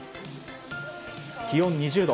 気温２０度。